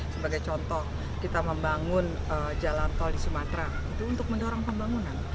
sebagai contoh kita membangun jalan tol di sumatera itu untuk mendorong pembangunan